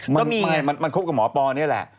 มันคบกับหมอปอนี่แหละ